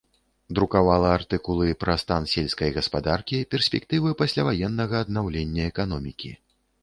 Друкавала артыкулы пра стан сельскай гаспадаркі, перспектывы пасляваеннага аднаўлення эканомікі.